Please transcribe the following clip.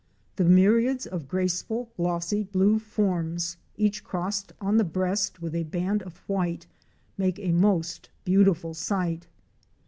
The myriads of graceful, glossy blue forms, each crossed on the breast with a band of white, made a most beautiful sight.